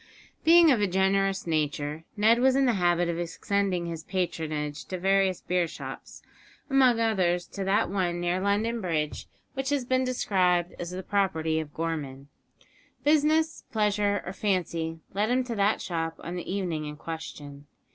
Being of a generous nature, Ned was in the habit of extending his patronage to various beer shops, among others to that one near London Bridge which has been described as the property of Gorman. Business, pleasure, or fancy led him to that shop on the evening in question.